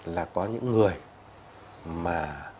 là có những người mà